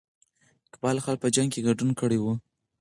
اقبال خان په جنګ کې ګډون کړی وو.